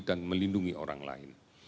dan melindungi orang lain